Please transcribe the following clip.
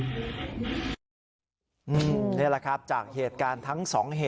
นี่แหละครับจาก๒เหตุการณ์